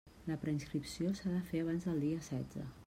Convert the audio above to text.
La preinscripció s'ha de fer abans del dia setze.